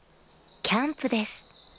キャンプです